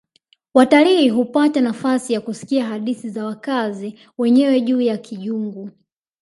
Watalii hupata nafasi ya kusikia hadithi za wakazi wenyewe juu ya kijungu